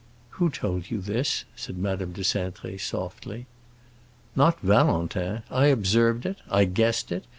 "Who told you this?" said Madame de Cintré softly. "Not Valentin. I observed it. I guessed it.